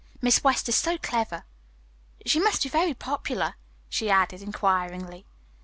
Miss West is so clever. She must be very popular?" she added inquiringly.